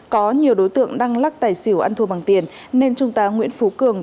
có nhiều đối tượng đang lắc tài xỉu ăn thua bằng tiền nên trung tá nguyễn phú cường